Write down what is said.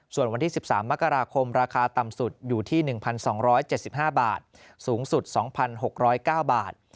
ส่วนวันที่๑๓มกราคมราคาต่ำสุดอยู่ที่๑๒๗๕บาทสูงสุด๒๖๐๙บาท